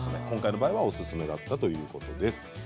今回の場合はおすすめだったということです。